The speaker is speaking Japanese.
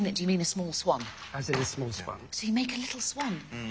うん。